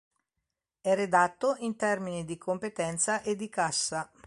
È redatto in termini di competenza e di cassa.